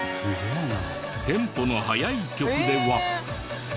テンポの速い曲では。